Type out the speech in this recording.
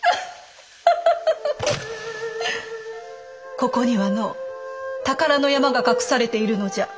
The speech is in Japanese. ここにはのう宝の山が隠されているのじゃ。